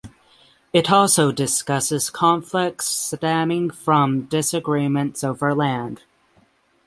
It also discusses conflicts stemming from disagreements over land.